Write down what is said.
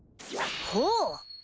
ほう。